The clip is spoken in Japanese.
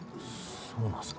そうなんすか？